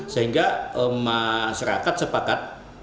sehingga masyarakat sepanjangnya